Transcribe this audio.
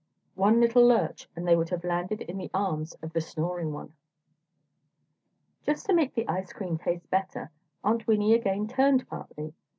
One little lurch and they would have landed in the arms of the snoring one! Just to make the ice cream taste better, Aunt Winnie again turned partly.